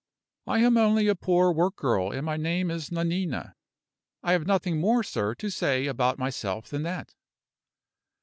"I am only a poor work girl, and my name is Nanina. I have nothing more, sir, to say about myself than that."